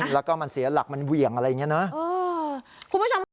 แล้วก็มันเสียหลักมันเวี่ยงอะไรอยังงี้นะ